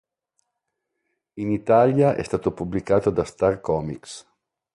In Italia è stato pubblicato da Star Comics.